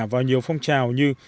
vào nhiều phong trào như